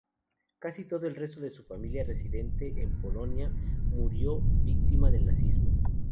Casi todo el resto de su familia residente en Polonia murió víctima del nazismo.